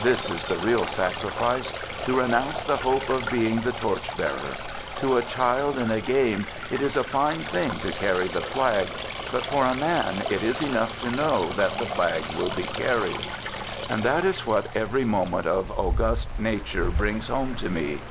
This is the real sacrifice: to renounce the hope of being the torch bearer. To a child in a game it is a fine thing to carry the flag; but for a man it is enough to know that the flag will be carried. And that is what every moment of august Nature brings home to me.